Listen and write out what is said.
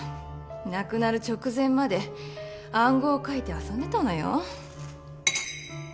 亡くなる直前まで暗号を書いて遊んでたのよ。